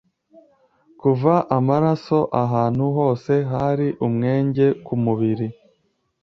kuva amaraso ahantu hose hari umwenge ku mubiri